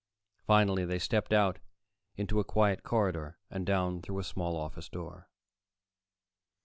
Finally they stepped out into a quiet corridor and down through a small office door.